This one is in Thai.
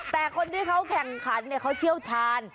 แต่คนที่เขาแข่งขันเขาเชี่ยวชาญ